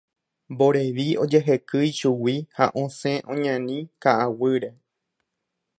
Mborevi ojehekýi chugui ha osẽ oñani ka'aguýre.